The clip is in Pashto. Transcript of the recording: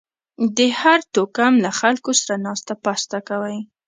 د هر توکم له خلکو سره ناسته پاسته کوئ